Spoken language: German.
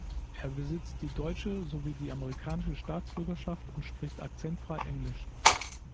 Er besitzt die deutsche sowie die amerikanische Staatsbürgerschaft und spricht akzentfrei Englisch.